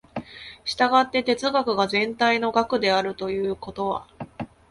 従って哲学が全体の学であるということは、